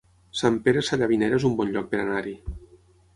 Sant Pere Sallavinera es un bon lloc per anar-hi